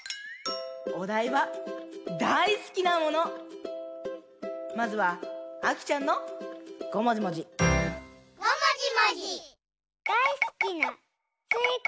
おだいは「だいすきなもの」。まずはあきちゃんのごもじもじ。